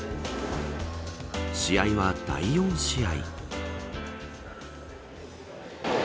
試合は第４試合。